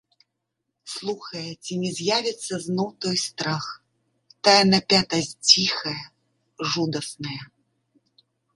Слухае, ці не з'явіцца зноў той страх, тая напятасць ціхая, жудасная.